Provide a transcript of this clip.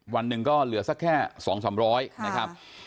วันหนึ่งก็เหลือสักแค่๒๓๐๐นะครับ